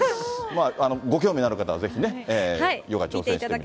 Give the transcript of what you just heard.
ご興味のある方はぜひね、ヨガ挑戦してみてください。